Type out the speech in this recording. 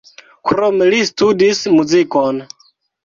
Krome li studis muzikon.